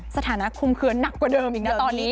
สถานะคุมเขินหนักกว่าเดิมอีกนะตอนนี้